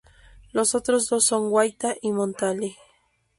Los otros dos son Guaita y Montale.